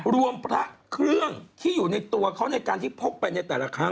พระเครื่องที่อยู่ในตัวเขาในการที่พกไปในแต่ละครั้ง